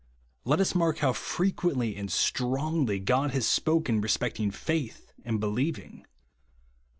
Let us mark how frequently and strongly God has spoken respecting "faith" and " believing."